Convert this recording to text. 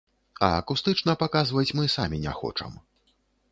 А акустычна паказваць мы самі не хочам.